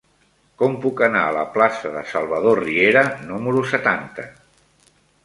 Com puc anar a la plaça de Salvador Riera número setanta?